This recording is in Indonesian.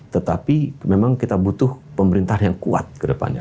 tetapi memang kita butuh pemerintah yang kuat kedepannya